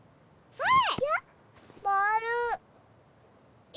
それ！